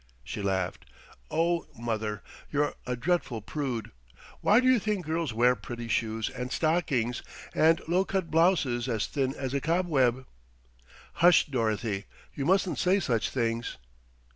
She laughed. "Oh, mother, you're a dreadful prude. Why do you think girls wear pretty shoes and stockings, and low cut blouses as thin as a cobweb?" "Hush! Dorothy, you mustn't say such things."